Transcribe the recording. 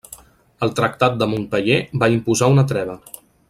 El tractat de Montpeller va imposar una treva.